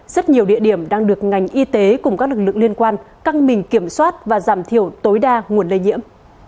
rất nhiều địa điểm đang được ngành y tế cùng các lực lượng liên quan căng mình kiểm soát và giảm thiểu tối đa nguồn lây nhiễm